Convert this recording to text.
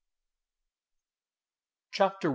CHAPTER I.